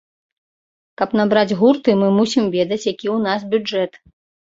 Каб набраць гурты, мы мусім ведаць, які ў нас бюджэт.